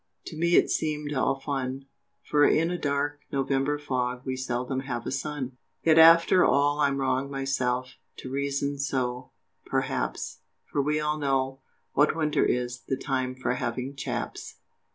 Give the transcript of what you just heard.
To me it seem'd all fun For in a dark November fog We seldom have a sun! Yet after all I'm wrong myself To reason so, perhaps, For we all know what winter is The time for having CHAPS.